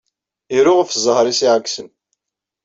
Iru ɣef ẓẓher-is iɛeksen.